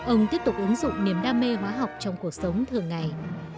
ông tiếp tục ứng dụng niềm đam mê hóa học trong cuộc sống thường ngày